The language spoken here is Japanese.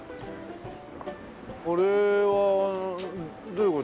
これはどういう事？